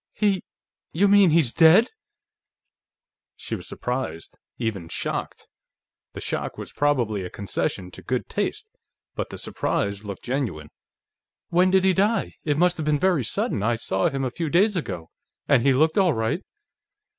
"He.... You mean he's dead?" She was surprised, even shocked. The shock was probably a concession to good taste, but the surprise looked genuine. "When did he die? It must have been very sudden; I saw him a few days ago, and he looked all right.